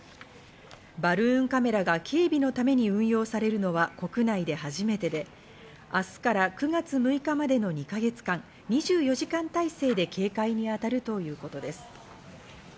バルーンカメラが警備のために運用されるのは国内で初めてで、明日から９月６日までの２か月間、２４時間体制で警戒にあたるということです。